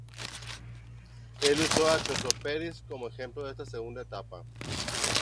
Él usó a "Archaeopteryx" como ejemplo de esta segunda etapa.